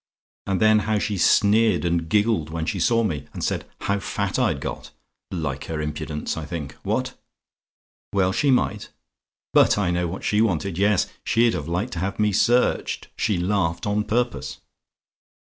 And then how she sneered and giggled when she saw me, and said 'how fat I'd got:' like her impudence, I think. What? "WELL SHE MIGHT? "But I know what she wanted; yes she'd have liked to have had me searched. She laughed on purpose.